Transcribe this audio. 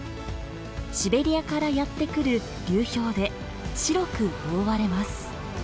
シベリアからやってくる流氷で白く覆われます。